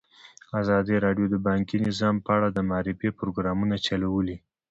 ازادي راډیو د بانکي نظام په اړه د معارفې پروګرامونه چلولي.